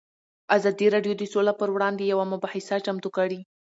ازادي راډیو د سوله پر وړاندې یوه مباحثه چمتو کړې.